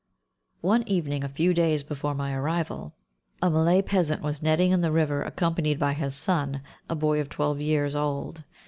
One evening, a few days before my arrival, a Malay peasant was netting in the river accompanied by his son, a boy of twelve years old.